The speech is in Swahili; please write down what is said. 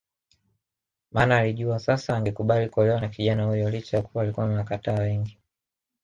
Maana alijua sasa angekubali kuolewa na kijana huyo licha ya kuwa alikuwa amewakatata wengi